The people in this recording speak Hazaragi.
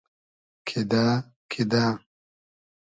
کیدۂ کیدۂ